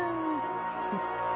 フッ。